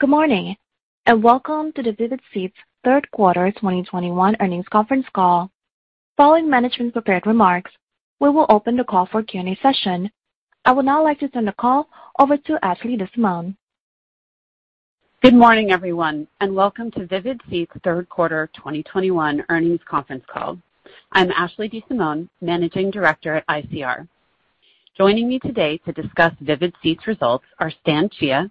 Good morning, and welcome to the Vivid Seats third quarter 2021 earnings conference call. Following management's prepared remarks, we will open the call for Q&A session. I would now like to send the call over to Ashley DeSimone. Good morning, everyone, and welcome to Vivid Seats third quarter 2021 earnings conference call. I'm Ashley DeSimone, Managing Director at ICR. Joining me today to discuss Vivid Seats results are Stan Chia,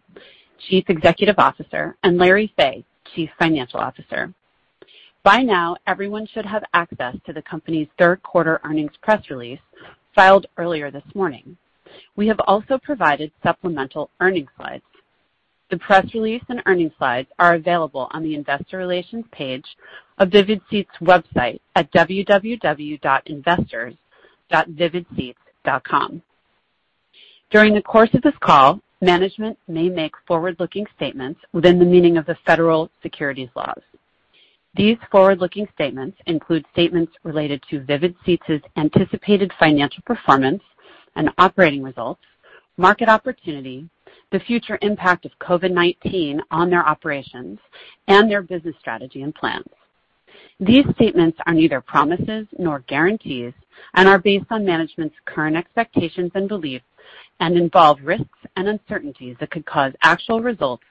Chief Executive Officer, and Lawrence Fey, Chief Financial Officer. By now, everyone should have access to the company's third quarter earnings press release filed earlier this morning. We have also provided supplemental earnings slides. The press release and earnings slides are available on the investor relations page of Vivid Seats' website at www.investors.vividseats.com. During the course of this call, management may make forward-looking statements within the meaning of the federal securities laws. These forward-looking statements include statements related to Vivid Seats' anticipated financial performance and operating results, market opportunity, the future impact of COVID-19 on their operations, and their business strategy and plans. These statements are neither promises nor guarantees and are based on management's current expectations and beliefs and involve risks and uncertainties that could cause actual results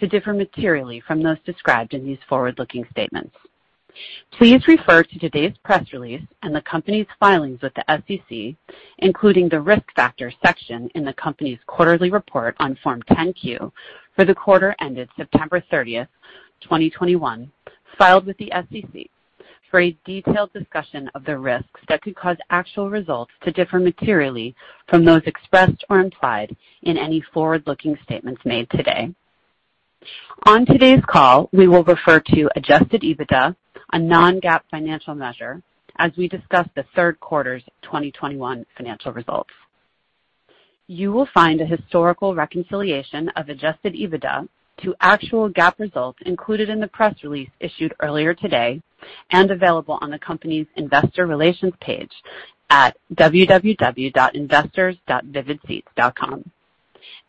to differ materially from those described in these forward-looking statements. Please refer to today's press release and the company's filings with the SEC, including the Risk Factors section in the company's quarterly report on Form 10-Q for the quarter ended September 30th, 2021, filed with the SEC for a detailed discussion of the risks that could cause actual results to differ materially from those expressed or implied in any forward-looking statements made today. On today's call, we will refer to adjusted EBITDA, a non-GAAP financial measure, as we discuss the third quarter's 2021 financial results. You will find a historical reconciliation of adjusted EBITDA to actual GAAP results included in the press release issued earlier today and available on the company's investor relations page at www.investors.vividseats.com.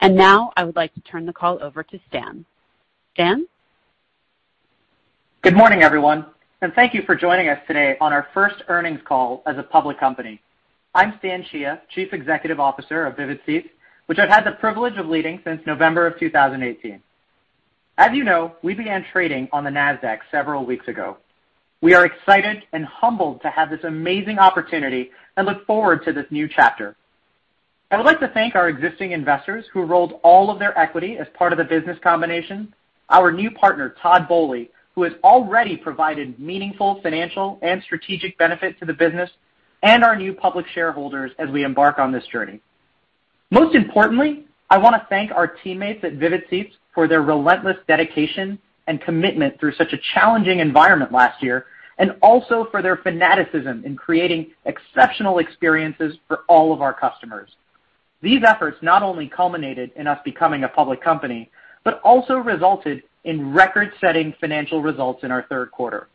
Now I would like to turn the call over to Stan. Stan? Good morning, everyone, and thank you for joining us today on our first earnings call as a public company. I'm Stan Chia, Chief Executive Officer of Vivid Seats, which I've had the privilege of leading since November 2018. As you know, we began trading on the Nasdaq several weeks ago. We are excited and humbled to have this amazing opportunity and look forward to this new chapter. I would like to thank our existing investors who rolled all of their equity as part of the business combination, our new partner, Todd Boehly, who has already provided meaningful financial and strategic benefit to the business, and our new public shareholders as we embark on this journey. Most importantly, I want to thank our teammates at Vivid Seats for their relentless dedication and commitment through such a challenging environment last year, and also for their fanaticism in creating exceptional experiences for all of our customers. These efforts not only culminated in us becoming a public company, but also resulted in record-setting financial results in our third quarter.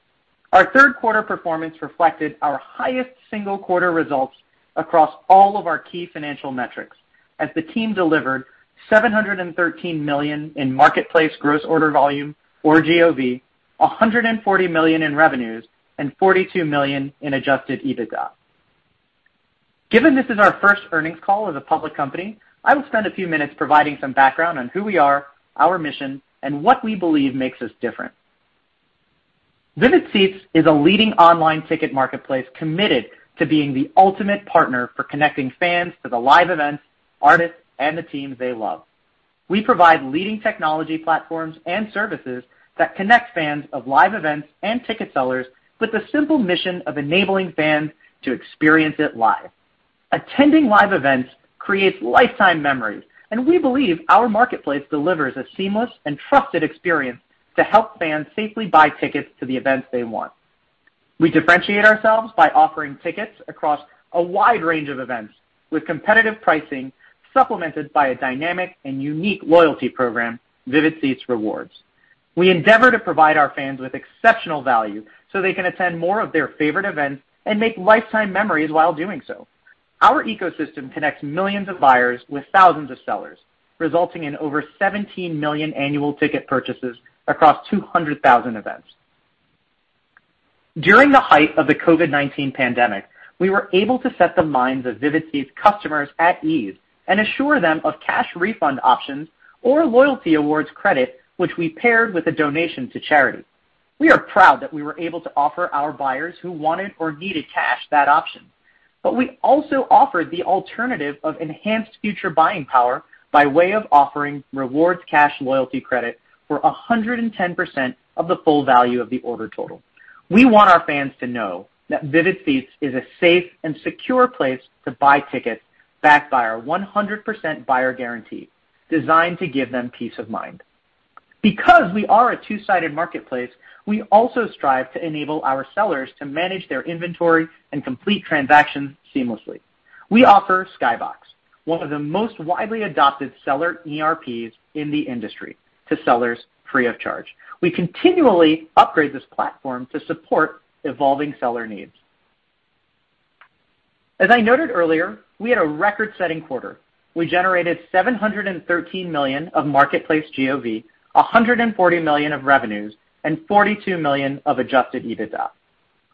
Our third quarter performance reflected our highest single-quarter results across all of our key financial metrics as the team delivered $713 million in marketplace gross order volume or GOV, $140 million in revenues, and $42 million in adjusted EBITDA. Given this is our first earnings call as a public company, I will spend a few minutes providing some background on who we are, our mission, and what we believe makes us different. Vivid Seats is a leading online ticket marketplace committed to being the ultimate partner for connecting fans to the live events, artists, and the teams they love. We provide leading technology platforms and services that connect fans of live events and ticket sellers with the simple mission of enabling fans to experience it live. Attending live events creates lifetime memories, and we believe our marketplace delivers a seamless and trusted experience to help fans safely buy tickets to the events they want. We differentiate ourselves by offering tickets across a wide range of events with competitive pricing supplemented by a dynamic and unique loyalty program, Vivid Seats Rewards. We endeavor to provide our fans with exceptional value so they can attend more of their favorite events and make lifetime memories while doing so. Our ecosystem connects millions of buyers with thousands of sellers, resulting in over 17 million annual ticket purchases across 200,000 events. During the height of the COVID-19 pandemic, we were able to set the minds of Vivid Seats customers at ease and assure them of cash refund options or loyalty awards credit, which we paired with a donation to charity. We are proud that we were able to offer our buyers who wanted or needed cash that option. We also offered the alternative of enhanced future buying power by way of offering rewards cash loyalty credit for 110% of the full value of the order total. We want our fans to know that Vivid Seats is a safe and secure place to buy tickets backed by our 100% buyer guarantee designed to give them peace of mind. Because we are a two-sided marketplace, we also strive to enable our sellers to manage their inventory and complete transactions seamlessly. We offer SkyBox, one of the most widely adopted seller ERPs in the industry, to sellers free of charge. We continually upgrade this platform to support evolving seller needs. As I noted earlier, we had a record-setting quarter. We generated 713 million of marketplace GOV, $140 million of revenues, and $42 million of adjusted EBITDA.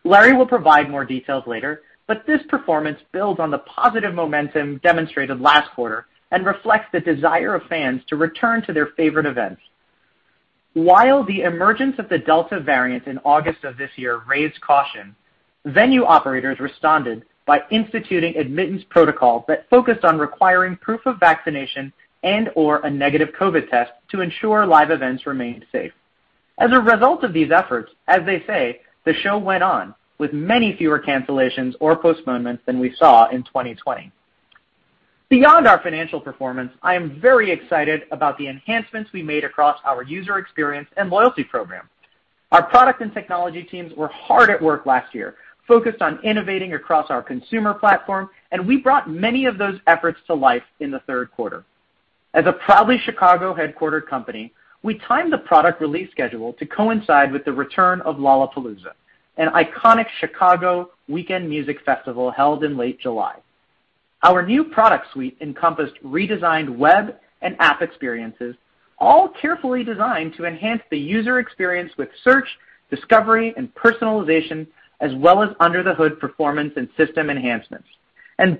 Larry will provide more details later, but this performance builds on the positive momentum demonstrated last quarter and reflects the desire of fans to return to their favorite events. While the emergence of the Delta variant in August of this year raised caution, venue operators responded by instituting admittance protocols that focused on requiring proof of vaccination and or a negative COVID test to ensure live events remained safe. As a result of these efforts, as they say, the show went on with many fewer cancellations or postponements than we saw in 2020. Beyond our financial performance, I am very excited about the enhancements we made across our user experience and loyalty program. Our product and technology teams were hard at work last year, focused on innovating across our consumer platform, and we brought many of those efforts to life in the third quarter. As a proudly Chicago headquartered company, we timed the product release schedule to coincide with the return of Lollapalooza, an iconic Chicago weekend music festival held in late July. Our new product suite encompassed redesigned web and app experiences, all carefully designed to enhance the user experience with search, discovery, and personalization, as well as under-the-hood performance and system enhancements.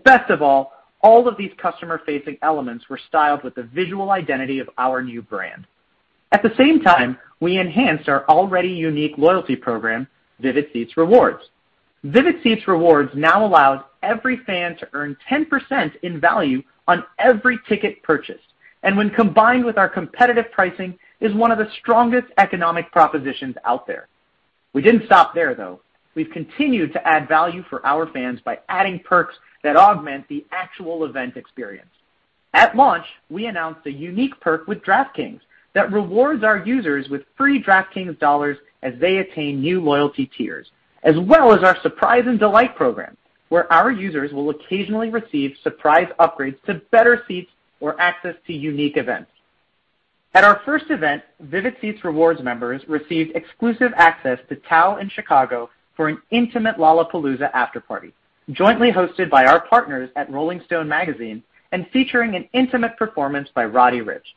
Best of all of these customer-facing elements were styled with the visual identity of our new brand. At the same time, we enhanced our already unique loyalty program, Vivid Seats Rewards. Vivid Seats Rewards now allows every fan to earn 10% in value on every ticket purchased, and when combined with our competitive pricing, is one of the strongest economic propositions out there. We didn't stop there, though. We've continued to add value for our fans by adding perks that augment the actual event experience. At launch, we announced a unique perk with DraftKings that rewards our users with free DraftKings dollars as they attain new loyalty tiers, as well as our Surprise and Delight program, where our users will occasionally receive surprise upgrades to better seats or access to unique events. At our first event, Vivid Seats Rewards members received exclusive access to TAO Chicago for an intimate Lollapalooza after-party, jointly hosted by our partners at Rolling Stone and featuring an intimate performance by Roddy Ricch.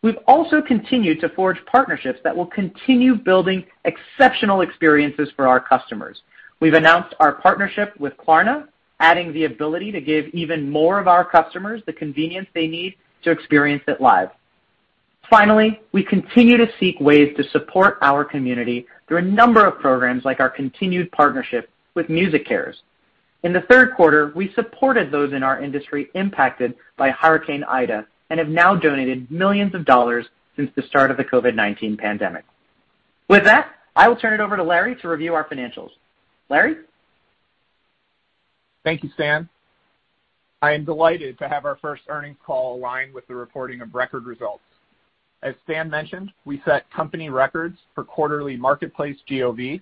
We've also continued to forge partnerships that will continue building exceptional experiences for our customers. We've announced our partnership with Klarna, adding the ability to give even more of our customers the convenience they need to experience it live. Finally, we continue to seek ways to support our community through a number of programs like our continued partnership with MusiCares. In the third quarter, we supported those in our industry impacted by Hurricane Ida and have now donated millions of dollars since the start of the COVID-19 pandemic. With that, I will turn it over to Larry to review our financials. Larry? Thank you, Stan. I am delighted to have our first earnings call aligned with the reporting of record results. As Stan mentioned, we set company records for quarterly marketplace GOV,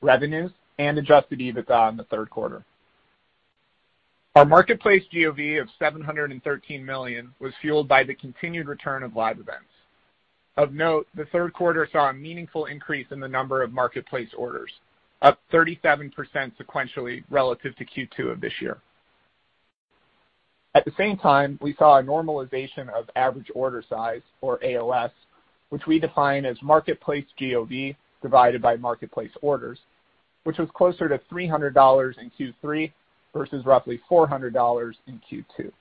revenues, and adjusted EBITDA in the third quarter. Our marketplace GOV of $713 million was fueled by the continued return of live events. Of note, the third quarter saw a meaningful increase in the number of marketplace orders, up 37% sequentially relative to Q2 of this year. At the same time, we saw a normalization of average order size, or AOS, which we define as marketplace GOV divided by marketplace orders, which was closer to $300 in Q3 versus roughly $400 in Q2.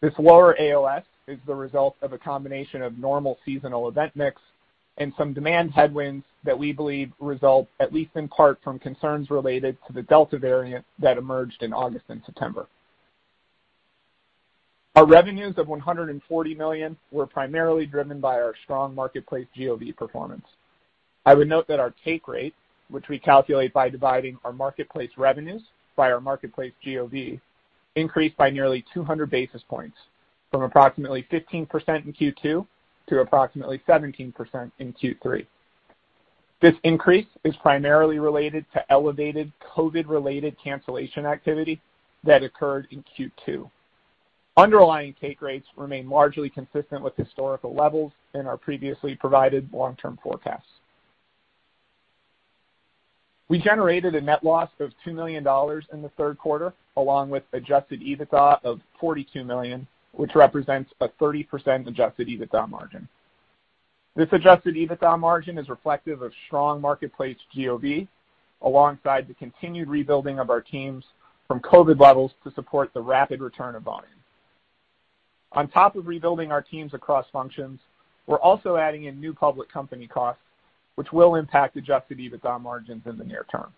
This lower AOS is the result of a combination of normal seasonal event mix and some demand headwinds that we believe result, at least in part, from concerns related to the Delta variant that emerged in August and September. Our revenues of $140 million were primarily driven by our strong marketplace GOV performance. I would note that our take rate, which we calculate by dividing our marketplace revenues by our marketplace GOV, increased by nearly 200 basis points from approximately 15% in Q2 to approximately 17% in Q3. This increase is primarily related to elevated COVID-related cancellation activity that occurred in Q2. Underlying take rates remain largely consistent with historical levels in our previously provided long-term forecasts. We generated a net loss of $2 million in the third quarter, along with adjusted EBITDA of $42 million, which represents a 30% adjusted EBITDA margin. This adjusted EBITDA margin is reflective of strong marketplace GOV alongside the continued rebuilding of our teams from COVID levels to support the rapid return of volume. On top of rebuilding our teams across functions, we're also adding in new public company costs, which will impact adjusted EBITDA margins in the near term.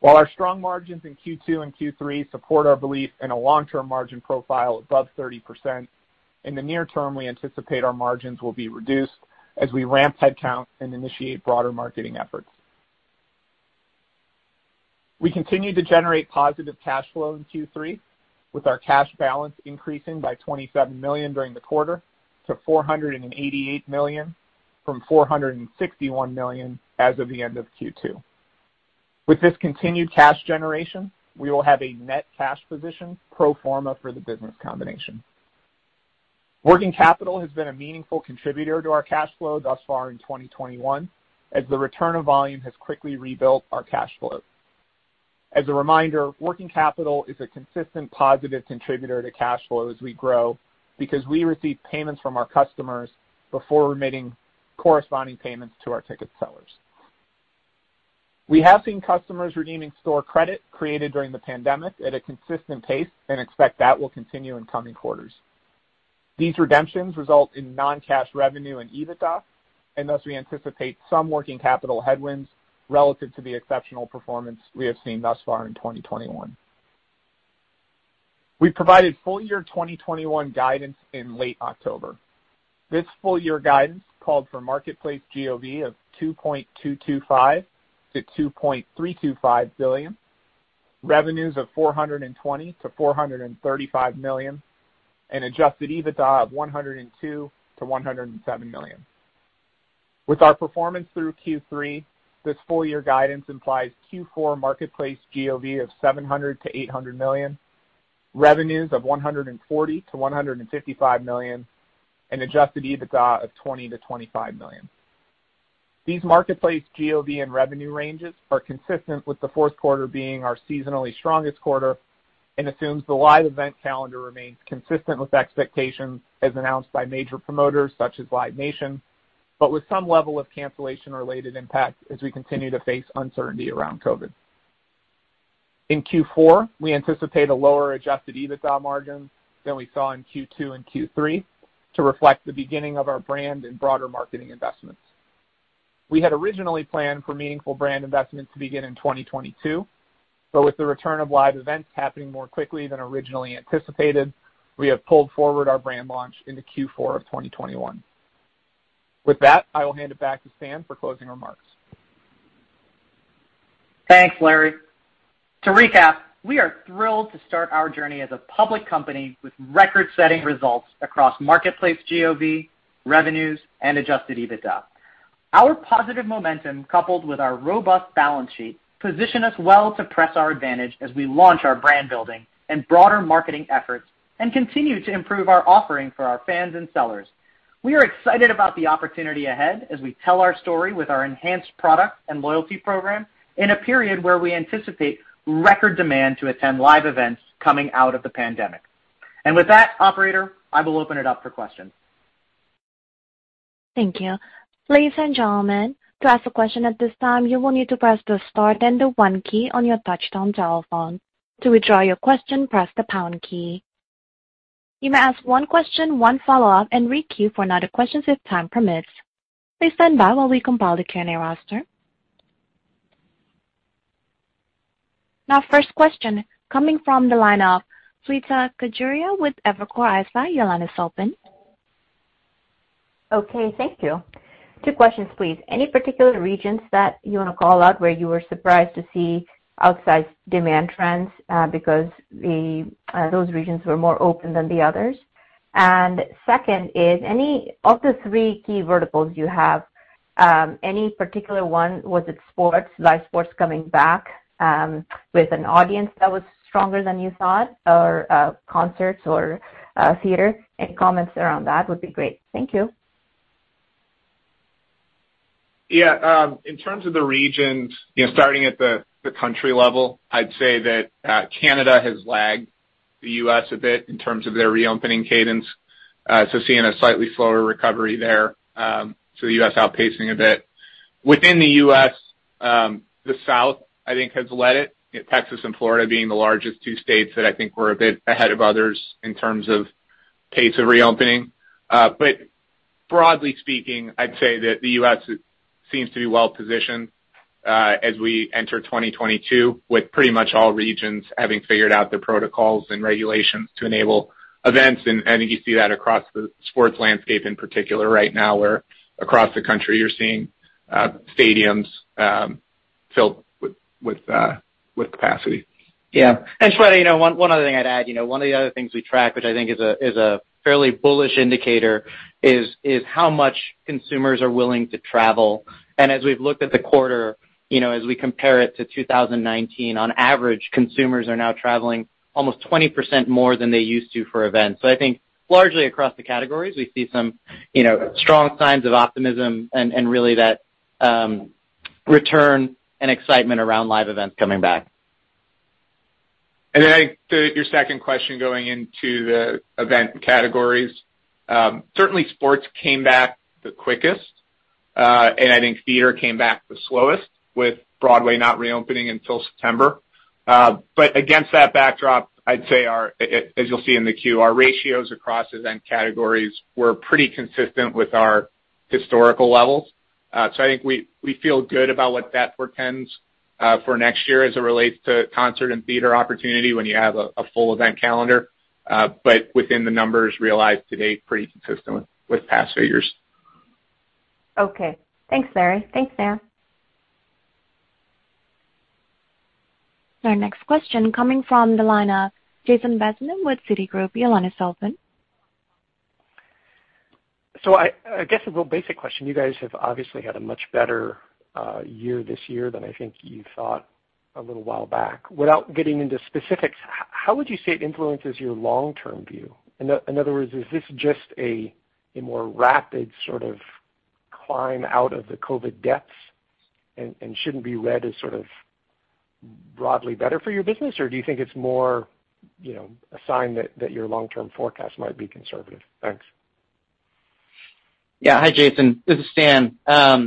While our strong margins in Q2 and Q3 support our belief in a long-term margin profile above 30%, in the near term, we anticipate our margins will be reduced as we ramp headcount and initiate broader marketing efforts. We continue to generate positive cash flow in Q3, with our cash balance increasing by $27 million during the quarter to $488 million from $461 million as of the end of Q2. With this continued cash generation, we will have a net cash position pro forma for the business combination. Working capital has been a meaningful contributor to our cash flow thus far in 2021, as the return of volume has quickly rebuilt our cash flow. As a reminder, working capital is a consistent positive contributor to cash flow as we grow because we receive payments from our customers before remitting corresponding payments to our ticket sellers. We have seen customers redeeming store credit created during the pandemic at a consistent pace and expect that will continue in coming quarters. These redemptions result in non-cash revenue and EBITDA, and thus we anticipate some working capital headwinds relative to the exceptional performance we have seen thus far in 2021. We provided full year 2021 guidance in late October. This full year guidance called for marketplace GOV of $2.225 billion-$2.325 billion, revenues of $420 million-$435 million, and adjusted EBITDA of $102 million-$107 million. With our performance through Q3, this full year guidance implies Q4 marketplace GOV of $700 million-$800 million, revenues of $140 million-$155 million, and adjusted EBITDA of $20 million-$25 million. These marketplace GOV and revenue ranges are consistent with the fourth quarter being our seasonally strongest quarter and assumes the live event calendar remains consistent with expectations as announced by major promoters such as Live Nation, but with some level of cancellation-related impact as we continue to face uncertainty around COVID. In Q4, we anticipate a lower adjusted EBITDA margin than we saw in Q2 and Q3 to reflect the beginning of our brand and broader marketing investments. We had originally planned for meaningful brand investments to begin in 2022, but with the return of live events happening more quickly than originally anticipated, we have pulled forward our brand launch into Q4 of 2021. With that, I will hand it back to Stan for closing remarks. Thanks, Larry. To recap, we are thrilled to start our journey as a public company with record-setting results across marketplace GOV, revenues, and adjusted EBITDA. Our positive momentum, coupled with our robust balance sheet, position us well to press our advantage as we launch our brand building and broader marketing efforts and continue to improve our offering for our fans and sellers. We are excited about the opportunity ahead as we tell our story with our enhanced product and loyalty program in a period where we anticipate record demand to attend live events coming out of the pandemic. With that, operator, I will open it up for questions. Thank you. Ladies and gentlemen, to ask a question at this time, you will need to press the star then the one key on your touchtone telephone. To withdraw your question, press the pound key. You may ask one question, one follow-up, and re-queue for another question if time permits. Please stand by while we compile the Q&A roster. Now first question coming from the line of Shweta Khajuria with Evercore ISI. Your line is open. Okay, thank you. Two questions, please. Any particular regions that you want to call out where you were surprised to see outsized demand trends, because those regions were more open than the others? Second is, any of the three key verticals you have, any particular one, was it sports, live sports coming back, with an audience that was stronger than you thought, or, concerts or, theater? Any comments around that would be great. Thank you. Yeah. In terms of the regions, you know, starting at the country level, I'd say that Canada has lagged the U.S. a bit in terms of their reopening cadence, so seeing a slightly slower recovery there, so the U.S. outpacing a bit. Within the U.S., the South, I think, has led it, you know, Texas and Florida being the largest two states that I think were a bit ahead of others in terms of pace of reopening. But broadly speaking, I'd say that the U.S. seems to be well positioned, as we enter 2022, with pretty much all regions having figured out the protocols and regulations to enable events. You see that across the sports landscape in particular right now, where across the country you're seeing stadiums filled with capacity. Yeah. Shweta, you know, one other thing I'd add, you know, one of the other things we track, which I think is a fairly bullish indicator, is how much consumers are willing to travel. As we've looked at the quarter, you know, as we compare it to 2019, on average, consumers are now traveling almost 20% more than they used to for events. I think largely across the categories, we see some, you know, strong signs of optimism and really that return and excitement around live events coming back. I think to your second question, going into the event categories, certainly sports came back the quickest, and I think theater came back the slowest, with Broadway not reopening until September. Against that backdrop, I'd say our, as you'll see in the Q, our ratios across event categories were pretty consistent with our historical levels. I think we feel good about what that portends for next year as it relates to concert and theater opportunity when you have a full event calendar, but within the numbers realized today, pretty consistent with past figures. Okay. Thanks, Larry. Thanks, Stan. Our next question coming from the line of Jason Bazinet with Citigroup. Your line is open. I guess a real basic question. You guys have obviously had a much better year this year than I think you thought a little while back. Without getting into specifics, how would you say it influences your long-term view? In other words, is this just a more rapid sort of climb out of the COVID depths and shouldn't be read as sort of broadly better for your business? Or do you think it's more, you know, a sign that your long-term forecast might be conservative? Thanks. Yeah. Hi, Jason. This is Stan. Yeah,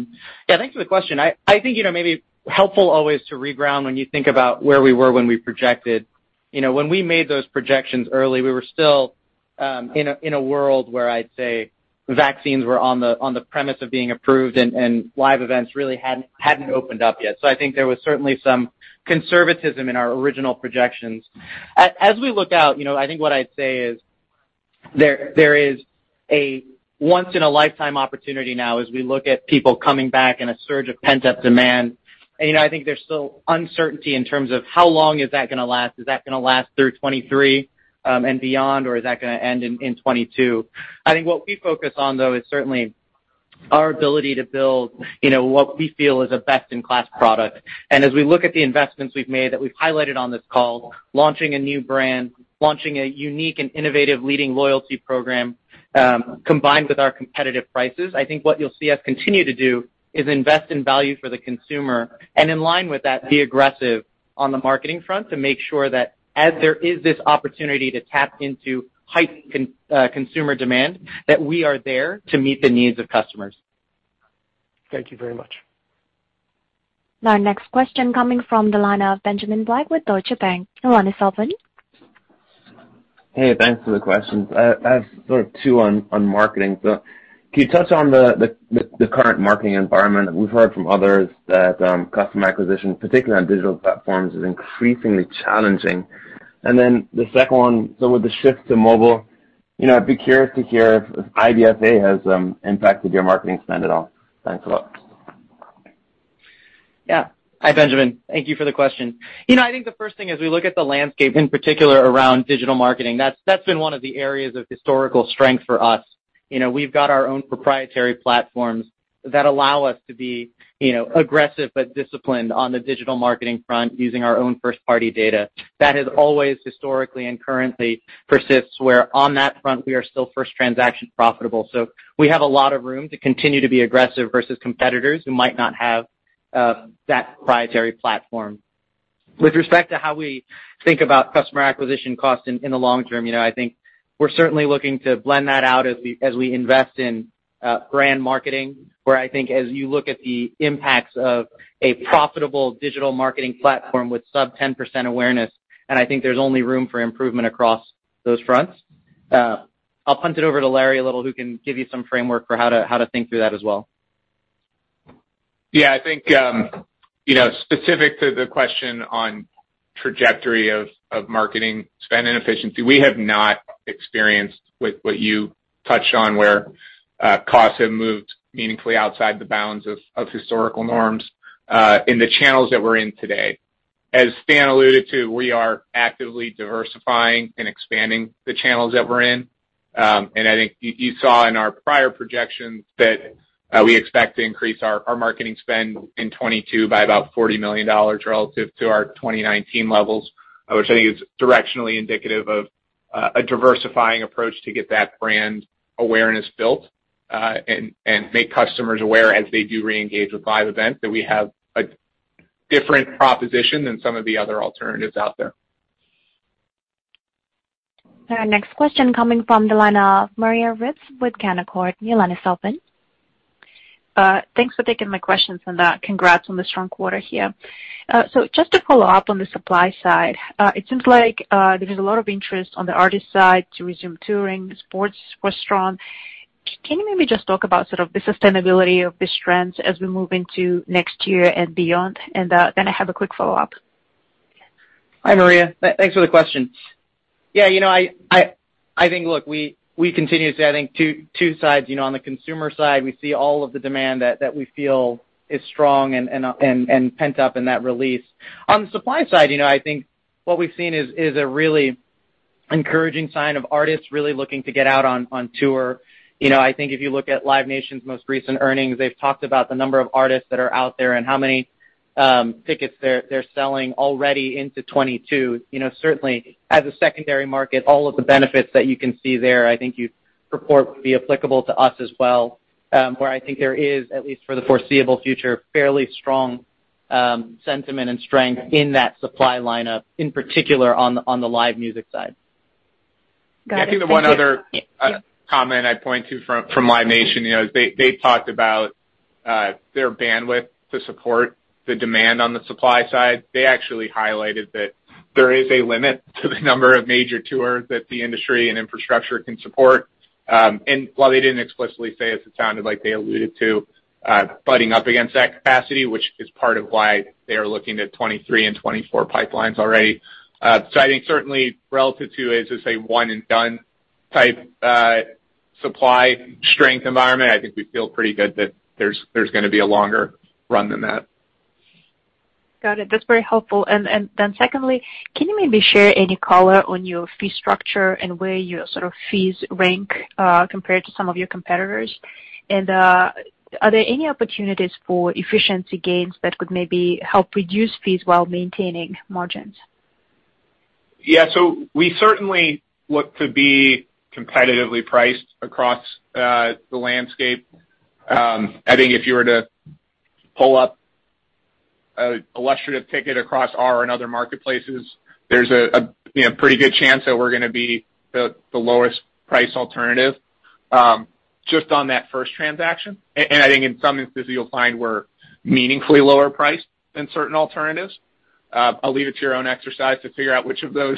thanks for the question. I think, you know, maybe helpful always to reground when you think about where we were when we projected. You know, when we made those projections early, we were still in a world where I'd say vaccines were on the premise of being approved and live events really hadn't opened up yet. I think there was certainly some conservatism in our original projections. As we look out, you know, I think what I'd say is there is a once in a lifetime opportunity now as we look at people coming back and a surge of pent-up demand. You know, I think there's still uncertainty in terms of how long is that gonna last. Is that gonna last through 2023 and beyond? Is that gonna end in 2022? I think what we focus on, though, is certainly our ability to build, you know, what we feel is a best in class product. As we look at the investments we've made that we've highlighted on this call, launching a new brand, launching a unique and innovative leading loyalty program, combined with our competitive prices, I think what you'll see us continue to do is invest in value for the consumer. In line with that, be aggressive on the marketing front to make sure that as there is this opportunity to tap into heightened consumer demand, that we are there to meet the needs of customers. Thank you very much. Our next question coming from the line of Benjamin Black with Deutsche Bank. Your line is open. Hey, thanks for the questions. I have sort of two on marketing. Can you touch on the current marketing environment? We've heard from others that customer acquisition, particularly on digital platforms, is increasingly challenging. The second one, so with the shift to mobile, you know, I'd be curious to hear if IDFA has impacted your marketing spend at all. Thanks a lot. Yeah. Hi, Benjamin. Thank you for the question. You know, I think the first thing as we look at the landscape, in particular around digital marketing, that's been one of the areas of historical strength for us. You know, we've got our own proprietary platforms that allow us to be, you know, aggressive but disciplined on the digital marketing front using our own first-party data. That has always historically and currently persists, where on that front we are still first transaction profitable. So we have a lot of room to continue to be aggressive versus competitors who might not have that proprietary platform. With respect to how we think about customer acquisition costs in the long term, you know, I think we're certainly looking to blend that out as we invest in brand marketing, where I think as you look at the impacts of a profitable digital marketing platform with sub-10% awareness, and I think there's only room for improvement across those fronts. I'll punt it over to Larry a little, who can give you some framework for how to think through that as well. Yeah. I think, you know, specific to the question on trajectory of marketing spend and efficiency, we have not experienced with what you touched on, where costs have moved meaningfully outside the bounds of historical norms, in the channels that we're in today. As Stan alluded to, we are actively diversifying and expanding the channels that we're in. I think you saw in our prior projections that, we expect to increase our marketing spend in 2022 by about $40 million relative to our 2019 levels, which I think is directionally indicative of, a diversifying approach to get that brand awareness built, and make customers aware as they do reengage with live events, that we have a different proposition than some of the other alternatives out there. Our next question coming from the line of Maria Ripps with Canaccord. Your line is open. Thanks for taking my questions and, congrats on the strong quarter here. So just to follow up on the supply side, it seems like, there's a lot of interest on the artist side to resume touring. Sports were strong. Can you maybe just talk about sort of the sustainability of these trends as we move into next year and beyond? Then I have a quick follow-up. Hi, Maria. Thanks for the question. Yeah, you know, I think, look, we continue to see, I think, two sides. You know, on the consumer side, we see all of the demand that we feel is strong and pent up in that release. On the supply side, you know, I think what we've seen is a really encouraging sign of artists really looking to get out on tour. You know, I think if you look at Live Nation's most recent earnings, they've talked about the number of artists that are out there and how many tickets they're selling already into 2022. You know, certainly as a secondary market, all of the benefits that you can see there, I think you purport would be applicable to us as well, where I think there is, at least for the foreseeable future, fairly strong sentiment and strength in that supply lineup, in particular on the live music side. Got it. Thank you. I think the one other comment I'd point to from Live Nation, you know, is they talked about their bandwidth to support the demand on the supply side. They actually highlighted that there is a limit to the number of major tours that the industry and infrastructure can support. While they didn't explicitly say it sounded like they alluded to butting up against that capacity, which is part of why they are looking at 2023 and 2024 pipelines already. I think certainly relative to as a, say, one and done type supply strength environment, I think we feel pretty good that there's gonna be a longer run than that. Got it. That's very helpful. Secondly, can you maybe share any color on your fee structure and where your sort of fees rank, compared to some of your competitors? Are there any opportunities for efficiency gains that could maybe help reduce fees while maintaining margins? Yeah. We certainly look to be competitively priced across the landscape. I think if you were to pull up an illustrative ticket across our and other marketplaces, there's a pretty good chance that we're gonna be the lowest price alternative just on that first transaction. I think in some instances, you'll find we're meaningfully lower priced than certain alternatives. I'll leave it to your own exercise to figure out which of those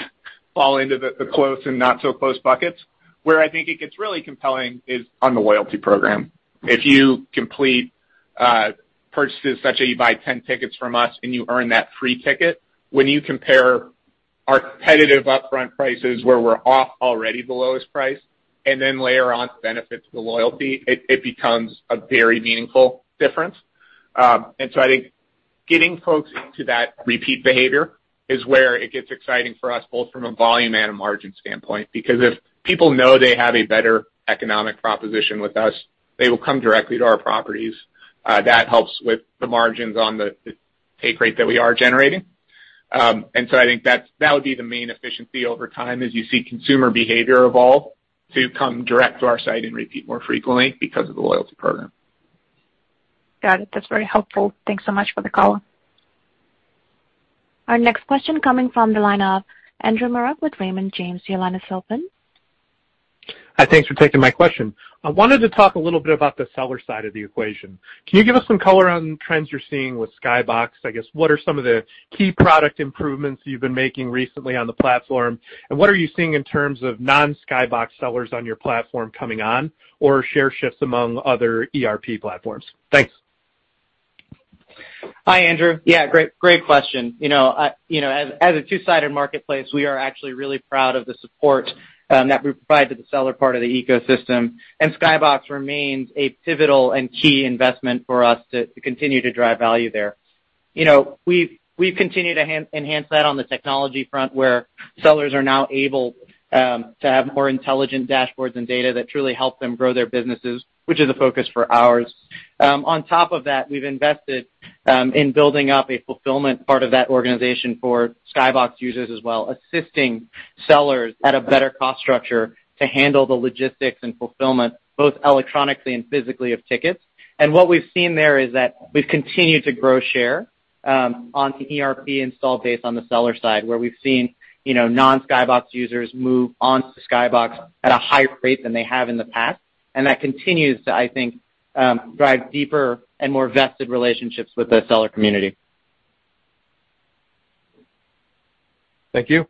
fall into the close and not so close buckets. Where I think it gets really compelling is on the loyalty program. If you complete purchases such that you buy 10 tickets from us and you earn that free ticket, when you compare our competitive upfront prices where we offer already the lowest price, and then layer on benefits, the loyalty, it becomes a very meaningful difference. I think getting folks into that repeat behavior is where it gets exciting for us, both from a volume and a margin standpoint. Because if people know they have a better economic proposition with us, they will come directly to our properties. That helps with the margins on the take rate that we are generating. I think that would be the main efficiency over time as you see consumer behavior evolve to come direct to our site and repeat more frequently because of the loyalty program. Got it. That's very helpful. Thanks so much for the call. Our next question coming from the line of Andrew Marok with Raymond James. Your line is open. Hi, thanks for taking my question. I wanted to talk a little bit about the seller side of the equation. Can you give us some color on trends you're seeing with SkyBox? I guess, what are some of the key product improvements you've been making recently on the platform? What are you seeing in terms of non-SkyBox sellers on your platform coming on or share shifts among other ERP platforms? Thanks. Hi, Andrew. Yeah, great question. You know, as a two-sided marketplace, we are actually really proud of the support that we provide to the seller part of the ecosystem. SkyBox remains a pivotal and key investment for us to continue to drive value there. You know, we've continued to enhance that on the technology front, where sellers are now able to have more intelligent dashboards and data that truly help them grow their businesses, which is a focus for ours. On top of that, we've invested in building up a fulfillment part of that organization for SkyBox users as well, assisting sellers at a better cost structure to handle the logistics and fulfillment, both electronically and physically of tickets. What we've seen there is that we've continued to grow share onto ERP install base on the seller side, where we've seen, you know, non-SkyBox users move onto SkyBox at a higher rate than they have in the past. That continues to, I think, drive deeper and more vested relationships with the seller community. Thank you.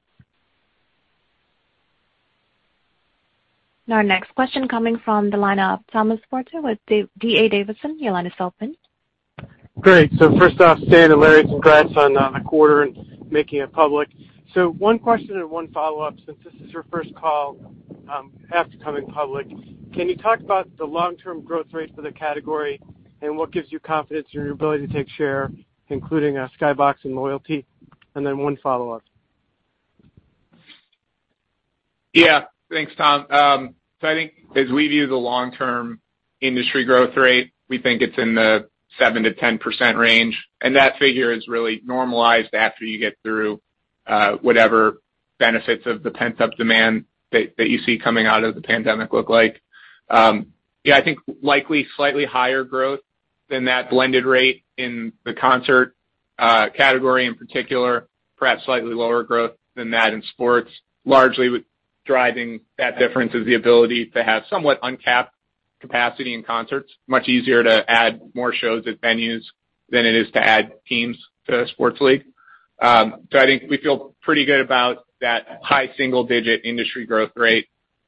Our next question coming from the line of Thomas Forte with D.A. Davidson. Your line is open. Great. First off, Stan and Larry, congrats on the quarter and making it public. One question and one follow-up, since this is your first call after coming public. Can you talk about the long-term growth rate for the category and what gives you confidence in your ability to take share, including SkyBox and loyalty? Then one follow-up. Yeah. Thanks, Tom. I think as we view the long-term industry growth rate, we think it's in the 7%-10% range, and that figure is really normalized after you get through whatever benefits of the pent-up demand that you see coming out of the pandemic look like. Yeah, I think likely slightly higher growth than that blended rate in the concert category in particular, perhaps slightly lower growth than that in sports. Largely driving that difference is the ability to have somewhat uncapped capacity in concerts. Much easier to add more shows at venues than it is to add teams to a sports league. I think we feel pretty good about that high single-digit industry growth rate.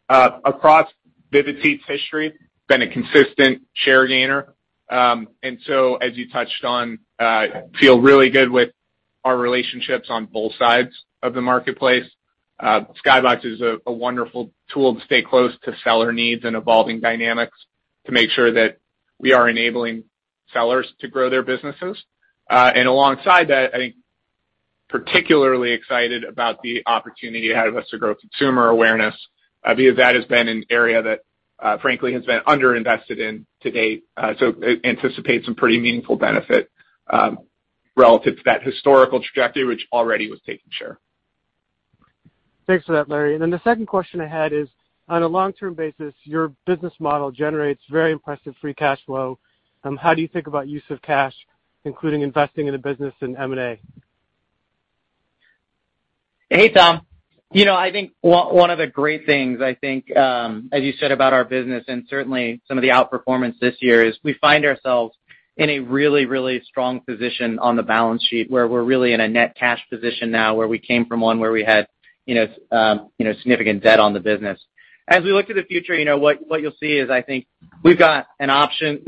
Across Vivid Seats' history, we've been a consistent share gainer. As you touched on, we feel really good with our relationships on both sides of the marketplace. SkyBox is a wonderful tool to stay close to seller needs and evolving dynamics to make sure that we are enabling sellers to grow their businesses. Alongside that, I'm particularly excited about the opportunity ahead of us to grow consumer awareness, because that has been an area that, frankly, has been underinvested in to date. We anticipate some pretty meaningful benefit relative to that historical trajectory, which already was taking share. Thanks for that, Larry. The second question I had is, on a long-term basis, your business model generates very impressive free cash flow. How do you think about use of cash, including investing in the business in M&A? Hey, Tom. You know, I think one of the great things I think, as you said about our business and certainly some of the outperformance this year is we find ourselves in a really, really strong position on the balance sheet, where we're really in a net cash position now, where we came from one where we had, you know, significant debt on the business. As we look to the future, you know, what you'll see is I think we've got options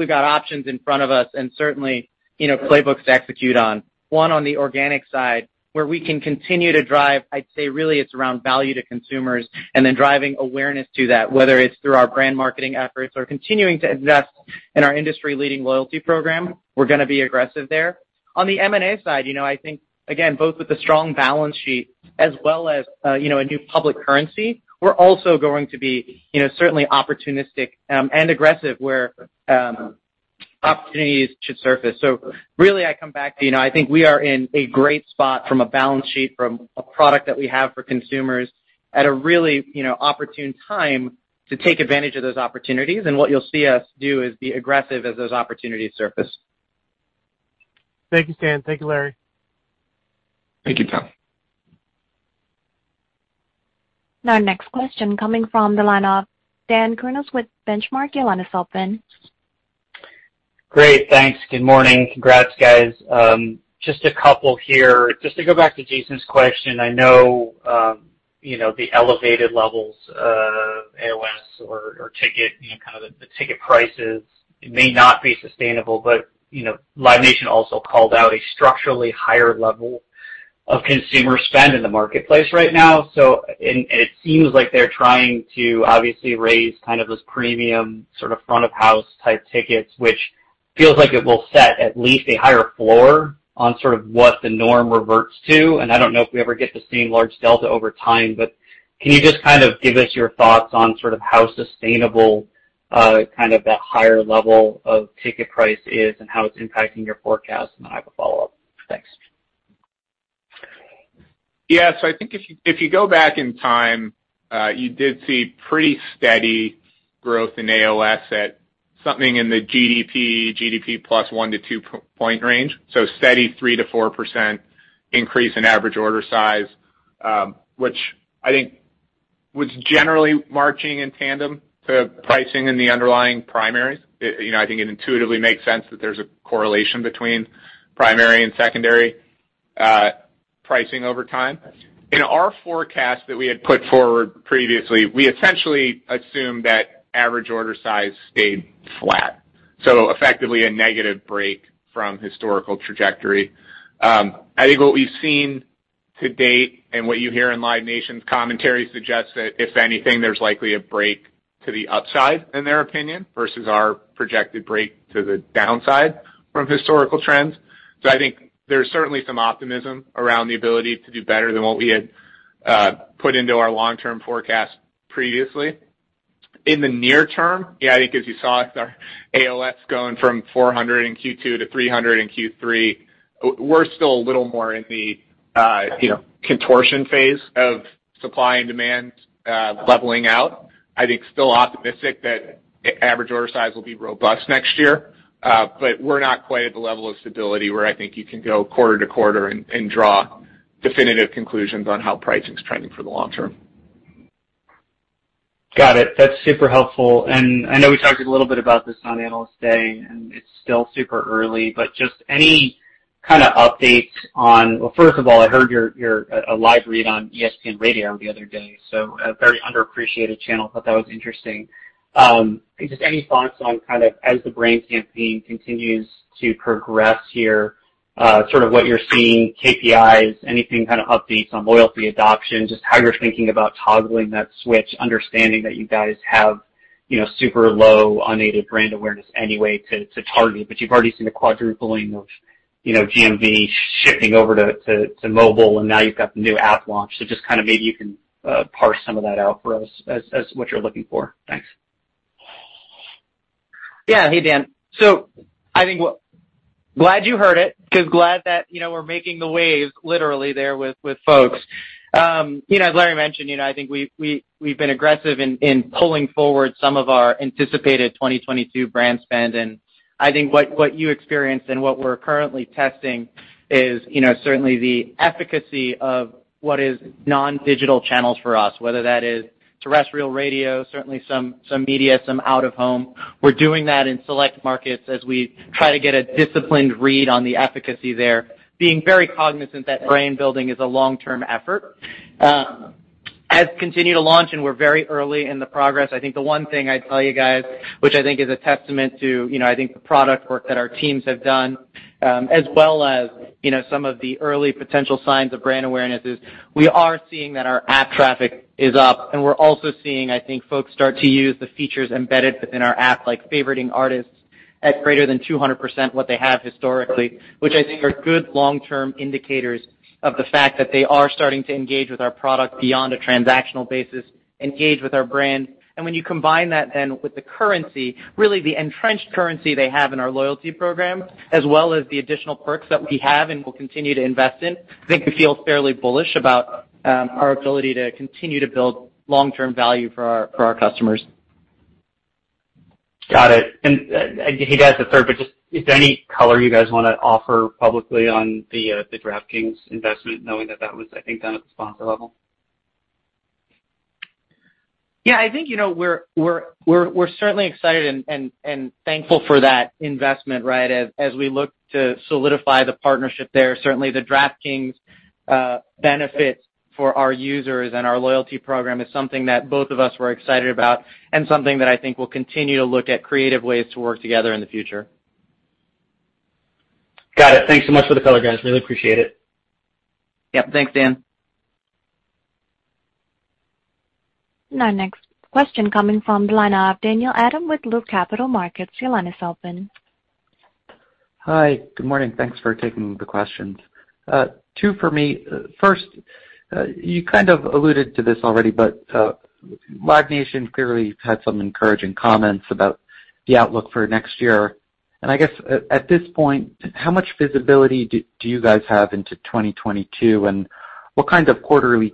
in front of us and certainly, you know, playbooks to execute on. One, on the organic side, where we can continue to drive, I'd say really it's around value to consumers and then driving awareness to that, whether it's through our brand marketing efforts or continuing to invest in our industry-leading loyalty program. We're gonna be aggressive there. On the M&A side, you know, I think again, both with the strong balance sheet as well as, you know, a new public currency, we're also going to be, you know, certainly opportunistic, and aggressive where, opportunities should surface. Really I come back to, you know, I think we are in a great spot from a balance sheet, from a product that we have for consumers at a really, you know, opportune time to take advantage of those opportunities. What you'll see us do is be aggressive as those opportunities surface. Thank you, Stan. Thank you, Larry. Thank you, Tom. Now our next question coming from the line of Dan Kurnos with Benchmark. Your line is open. Great, thanks. Good morning. Congrats, guys. Just a couple here. Just to go back to Jason's question. I know, you know, the elevated levels of AOS or ticket, you know, kind of the ticket prices may not be sustainable, but, you know, Live Nation also called out a structurally higher level of consumer spend in the marketplace right now. So, it seems like they're trying to obviously raise kind of those premium sort of front of house type tickets, which feels like it will set at least a higher floor on sort of what the norm reverts to. I don't know if we ever get to seeing large delta over time, but can you just kind of give us your thoughts on sort of how sustainable, kind of that higher level of ticket price is and how it's impacting your forecast? I have a follow-up. Thanks. Yeah. I think if you go back in time, you did see pretty steady growth in AOS at something in the GDP plus 1-2 percentage point range. Steady 3%-4% increase in average order size, which I think was generally marching in tandem to pricing in the underlying primaries. You know, I think it intuitively makes sense that there's a correlation between primary and secondary pricing over time. In our forecast that we had put forward previously, we essentially assumed that average order size stayed flat, so effectively a negative break from historical trajectory. I think what we've seen to date and what you hear in Live Nation's commentary suggests that if anything, there's likely a break to the upside in their opinion versus our projected break to the downside from historical trends. I think there's certainly some optimism around the ability to do better than what we had put into our long-term forecast previously. In the near term, yeah, I think as you saw with our AOS going from $400 in Q2 to $300 in Q3, we're still a little more in the, you know, contortion phase of supply and demand, leveling out. I think still optimistic that average order size will be robust next year. But we're not quite at the level of stability where I think you can go quarter to quarter and draw definitive conclusions on how pricing's trending for the long term. Got it. That's super helpful. I know we talked a little bit about this on Analyst Day, and it's still super early, but just any kind of updates on. Well, first of all, I heard you do a live read on ESPN Radio the other day, so a very underappreciated channel. Thought that was interesting. Just any thoughts on kind of as the brand campaign continues to progress here, sort of what you're seeing, KPIs, anything kind of updates on loyalty adoption, just how you're thinking about toggling that switch, understanding that you guys have, you know, super low unaided brand awareness anyway to target it, but you've already seen a quadrupling of, you know, GMV shifting over to mobile, and now you've got the new app launch. Just kind of maybe you can parse some of that out for us as what you're looking for. Thanks. Yeah. Hey, Dan. I think glad you heard it, because glad that, you know, we're making the waves literally there with folks. You know, as Larry mentioned, you know, I think we've been aggressive in pulling forward some of our anticipated 2022 brand spend. I think what you experienced and what we're currently testing is, you know, certainly the efficacy of what is non-digital channels for us, whether that is terrestrial radio, certainly some media, some out of home. We're doing that in select markets as we try to get a disciplined read on the efficacy there, being very cognizant that brand building is a long-term effort. As we continue to launch and we're very early in the progress, I think the one thing I'd tell you guys, which I think is a testament to, you know, I think the product work that our teams have done, as well as, you know, some of the early potential signs of brand awareness is we are seeing that our app traffic is up, and we're also seeing, I think, folks start to use the features embedded within our app, like favoriting artists at greater than 200% what they have historically, which I think are good long-term indicators of the fact that they are starting to engage with our product beyond a transactional basis, engage with our brand. When you combine that then with the currency, really the entrenched currency they have in our loyalty program, as well as the additional perks that we have and will continue to invest in, I think it feels fairly bullish about our ability to continue to build long-term value for our customers. Got it. I hate to ask a third, but just is there any color you guys wanna offer publicly on the DraftKings investment, knowing that was, I think, done at the sponsor level? Yeah, I think, you know, we're certainly excited and thankful for that investment, right? As we look to solidify the partnership there. Certainly, the DraftKings benefits for our users and our loyalty program is something that both of us were excited about and something that I think we'll continue to look at creative ways to work together in the future. Got it. Thanks so much for the color, guys. Really appreciate it. Yep. Thanks, Dan. Our next question coming from the line of Daniel Adam with Loop Capital Markets. Your line is open. Hi, good morning. Thanks for taking the questions. Two for me. First, you kind of alluded to this already, but Live Nation clearly had some encouraging comments about the outlook for next year. I guess at this point, how much visibility do you guys have into 2022? And what kind of quarterly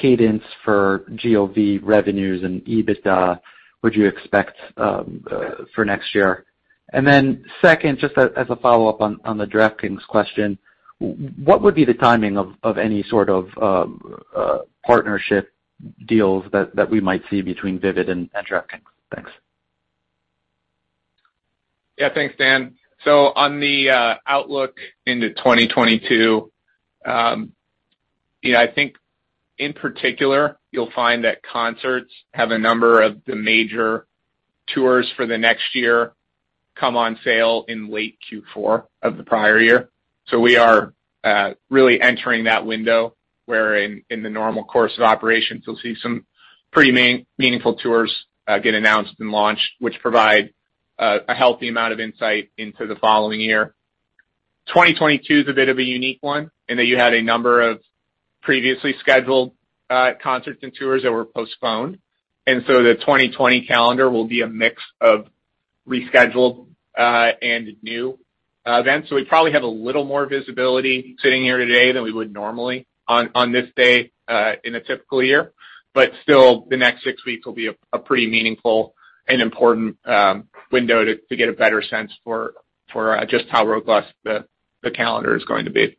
cadence for GOV revenues and EBITDA would you expect for next year? Then second, just as a follow-up on the DraftKings question, what would be the timing of any sort of partnership deals that we might see between Vivid and DraftKings? Thanks. Yeah, thanks, Dan. On the outlook into 2022, you know, I think in particular, you'll find that concerts have a number of the major tours for the next year come on sale in late Q4 of the prior year. We are really entering that window where in the normal course of operations, you'll see some pretty meaningful tours get announced and launched, which provide a healthy amount of insight into the following year. 2022 is a bit of a unique one in that you had a number of previously scheduled concerts and tours that were postponed. The 2022 calendar will be a mix of rescheduled and new events. We probably have a little more visibility sitting here today than we would normally on this day in a typical year. Still, the next six weeks will be a pretty meaningful and important window to get a better sense for just how robust the calendar is going to be.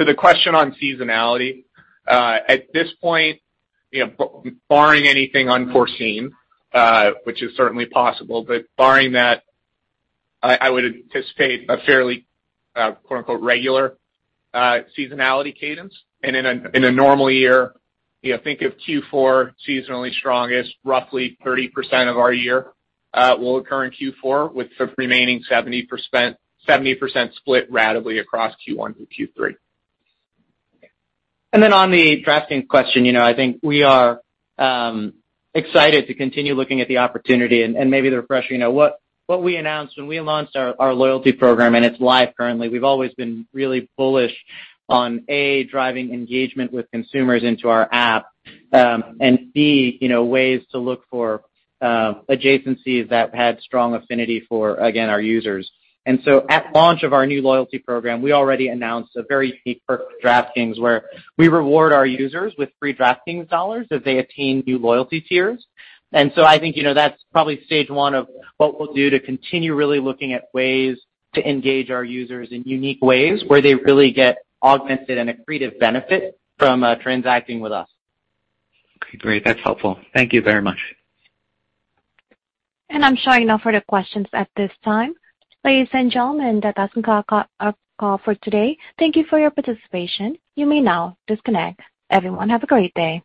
To the question on seasonality, at this point, you know, barring anything unforeseen, which is certainly possible, but barring that, I would anticipate a fairly "regular" seasonality cadence. In a normal year, you know, think of Q4 seasonally strongest. Roughly 30% of our year will occur in Q4, with the remaining 70% split ratably across Q1 through Q3. Then on the DraftKings question, you know, I think we are excited to continue looking at the opportunity and maybe to refresh, you know, what we announced when we launched our loyalty program, and it's live currently. We've always been really bullish on, A, driving engagement with consumers into our app, and B, you know, ways to look for adjacencies that had strong affinity for, again, our users. So at launch of our new loyalty program, we already announced a very deep DraftKings, where we reward our users with free DraftKings dollars if they attain new loyalty tiers. So I think, you know, that's probably stage one of what we'll do to continue really looking at ways to engage our users in unique ways where they really get augmented and accretive benefit from transacting with us. Okay, great. That's helpful. Thank you very much. I'm showing no further questions at this time. Ladies and gentlemen, that concludes our call for today. Thank you for your participation. You may now disconnect. Everyone, have a great day.